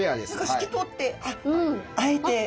透き通ってあっあえて。